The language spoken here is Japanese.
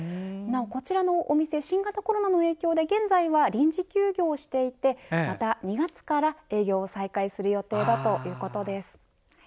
なお、こちらのお店新型コロナの影響で現在は臨時休業していてまた２月から営業を再開する予定だということです。